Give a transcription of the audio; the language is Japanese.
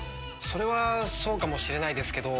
それはそうかもしれないですけど。